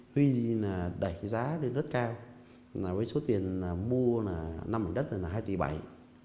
huy đẩy giá đến rất cao với số tiền mua năm mảnh đất là hai tỷ bảy